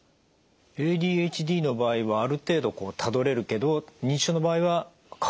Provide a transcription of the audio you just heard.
ＡＤＨＤの場合はある程度たどれるけど認知症の場合は「鍵？